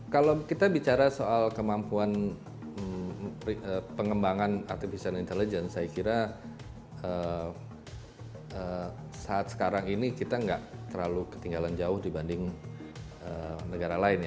kalau kita bicara soal kemampuan pengembangan artificial intelligence saya kira saat sekarang ini kita nggak terlalu ketinggalan jauh dibanding negara lain